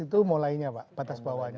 delapan belas itu mulainya pak batas bawahnya